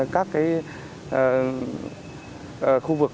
các khu vực